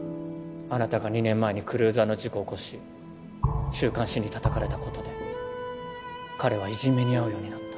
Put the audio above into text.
あなたが２年前にクルーザーの事故を起こし週刊誌にたたかれたことで彼はいじめに遭うようになった。